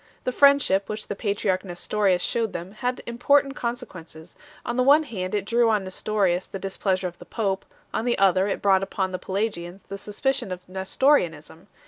The friendship which the patriarch Nestorius shewed them had important con sequences; on the one hand it drew on Nestorius the displeasure of the pope, on the other it brought upon the Pelagians the suspicion of Nestorianism.